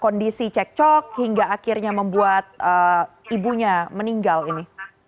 kondisi cek cok hingga akhirnya membuat ibunya meninggal ini